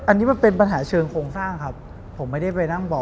อันนี้เป็นปัญหาเชิงโครงสร้างครับ